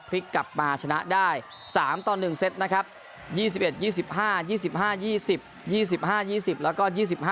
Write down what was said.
พลิกกลับมาชนะได้๓ต่อ๑เซตนะครับ๒๑๒๕๒๕๒๐๒๕๒๐แล้วก็๒๕